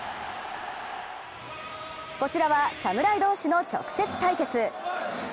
こちらは侍同士の直接対決。